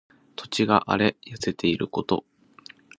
土地が荒れ痩せていること。